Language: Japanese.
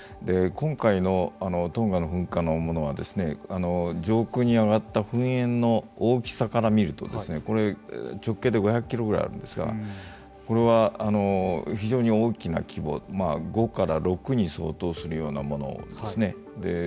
今回のトンガの噴火のものは上空に上がった噴煙の大きさから見ると直径で５００キロぐらいあるんですがこれは非常に大きな規模５から６に相当するようなものですね。